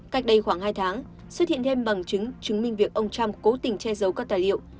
cách đây khoảng hai tháng xuất hiện thêm bằng chứng chứng minh việc ông trump cố tình che giấu các tài liệu